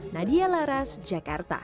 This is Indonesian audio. nadia laras jakarta